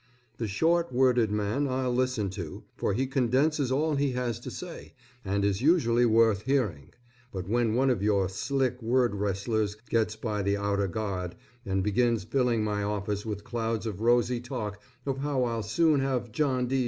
The short worded man I'll listen to, for he condenses all he has to say, and is usually worth hearing. But when one of your slick word wrestlers gets by the outer guard, and begins filling my office with clouds of rosy talk of how I'll soon have John D.